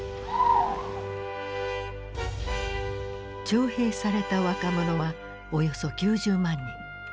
徴兵された若者はおよそ９０万人。